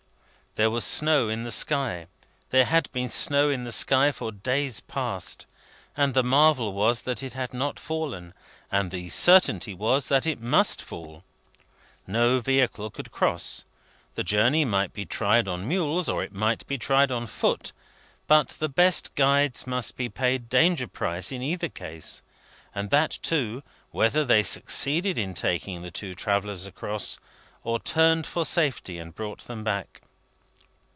There was snow in the sky. There had been snow in the sky for days past, and the marvel was that it had not fallen, and the certainty was that it must fall. No vehicle could cross. The journey might be tried on mules, or it might be tried on foot; but the best guides must be paid danger price in either case, and that, too, whether they succeeded in taking the two travellers across, or turned for safety and brought them back.